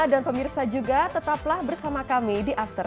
dan pemirsa juga tetaplah bersama kami di after sepuluh